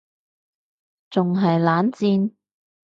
仲係冷戰????？